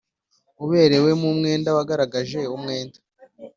Uberewemo umwenda wagaragaje umwenda